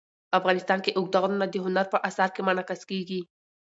افغانستان کې اوږده غرونه د هنر په اثار کې منعکس کېږي.